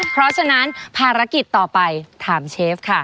เพราะฉะนั้นภารกิจต่อไปถามเชฟค่ะ